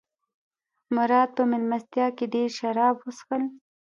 مراد په مېلمستیا کې ډېر شراب وڅښل.